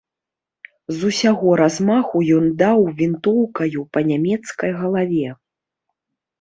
З усяго размаху ён даў вінтоўкаю па нямецкай галаве.